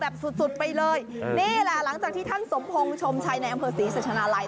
สุดสุดไปเลยนี่แหละหลังจากที่ท่านสมพงศ์ชมชัยในอำเภอศรีสัชนาลัย